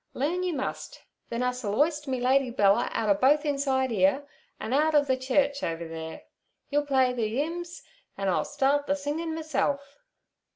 Learn you must, then us'll 'oist me Lady Bella outer both inside 'eere an' out ov ther church over theere. You'll play ther 'ymns, an' I'll start ther singin' meself.'